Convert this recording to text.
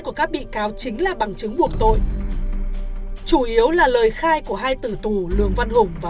của các bị cáo chính là bằng chứng buộc tội chủ yếu là lời khai của hai tử tù lường văn hùng và